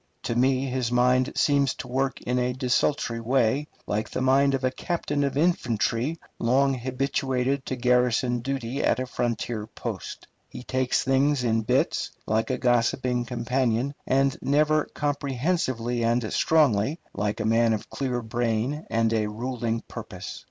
To me his mind seems to work in a desultory way, like the mind of a captain of infantry long habituated to garrison duty at a frontier post. He takes things in bits, like a gossiping companion, and never comprehensively and strongly, like a man of clear brain and a ruling purpose.